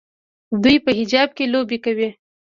دوی په حجاب کې لوبې کوي.